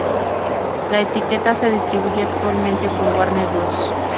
La etiqueta se distribuye actualmente por Warner Bros.